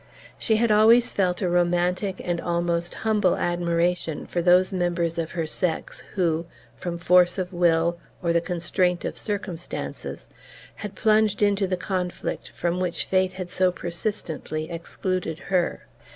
She had always felt a romantic and almost humble admiration for those members of her sex who, from force of will, or the constraint of circumstances, had plunged into the conflict from which fate had so persistently excluded her.